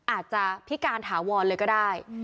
อาจจะพิการถาวรเลยก็ได้